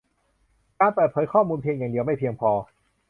การเปิดเผยข้อมูลเพียงอย่างเดียวไม่เพียงพอ